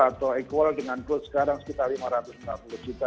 atau equal dengan goals sekarang sekitar lima ratus empat puluh juta